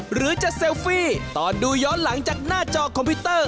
หรือจะเซลฟี่ตอนดูย้อนหลังจากหน้าจอคอมพิวเตอร์